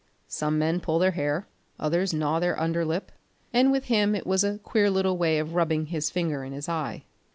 Some men pull their hair, others gnaw their under lip, and with him it was a queer little way of rubbing his finger in his eye.